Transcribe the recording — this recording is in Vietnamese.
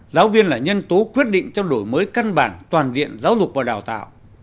giáo viên là nhân tố quyết định cho đổi mới cân bản toàn diện giáo dục và đào tạo